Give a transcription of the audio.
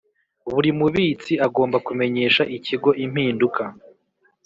Buri mubitsi agomba kumenyesha ikigo impinduka